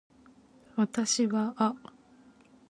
私はあ